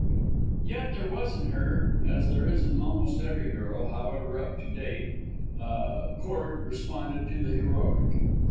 Yet there was in her, as there is in almost every girl, however up to date, a chord that responded to the heroic.